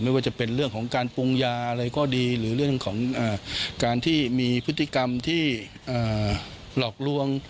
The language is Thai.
ไม่ว่าจะเป็นเรื่องของการปรุงยาอะไรก็ดีหรือเรื่องของการที่มีพฤติกรรมที่หลอกลวง